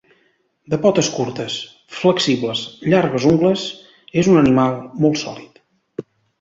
De potes curtes, flexibles, llargues ungles, és un animal molt sòlid.